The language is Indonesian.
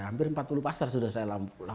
hampir empat puluh pasar sudah saya lampung